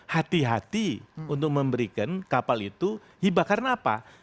hati hati untuk memberikan kapal itu hibah karena apa